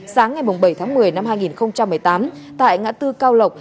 sáng ngày bảy tháng một mươi năm hai nghìn một mươi tám tại ngã tư cao lộc